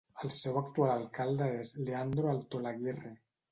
El seu actual alcalde és Leandro Altolaguirre.